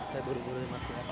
saya buru buru mati